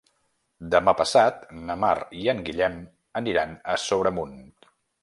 Demà passat na Mar i en Guillem aniran a Sobremunt.